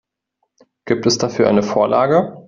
Gibt es dafür eine Vorlage?